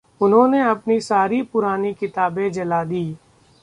उन्होंने अपनी सारी पुरानी किताबें जला दी।